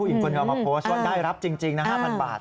ผู้หญิงคู่นี้เอามาโพสต์ว่าได้รับจริง๕๐๐๐บาท